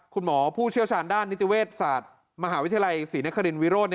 ผู้เชี่ยวชาญด้านนิติเวชศาสตร์มหาวิทยาลัยศรีนครินวิโรธ